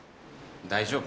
大丈夫？